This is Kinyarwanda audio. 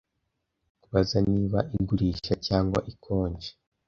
kubaza niba igurisha cyangwa ikonje